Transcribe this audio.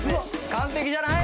完璧じゃん！